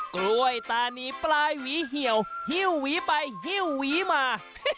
กล้วยตานีปลายหวีเหี่ยวหิ้วหวีไปหิ้วหวีมา